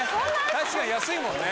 確かに安いもんね